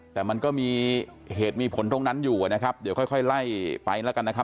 แต่มันก็มีเหตุมีผลตรงนั้นอยู่นะครับเดี๋ยวค่อยไล่ไปแล้วกันนะครับ